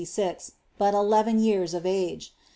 bat eleven years of age.